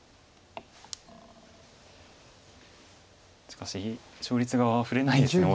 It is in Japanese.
しかし勝率が振れないですね